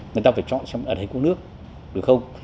người ta phải chọn xem ở đấy có nước được không